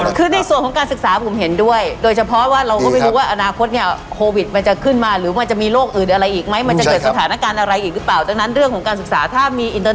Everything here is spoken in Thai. คือในส่วนของการศึกษาผมเห็นด้วย